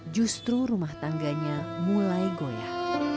justru rumah tangganya mulai goyah